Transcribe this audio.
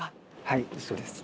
はいそうです。